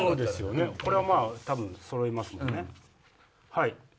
これは多分揃いますもんね。